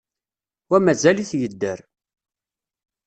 Wa mazal-t yedder.